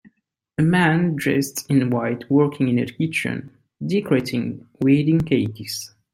A man dressed in white working in a kitchen decorating wedding cakes.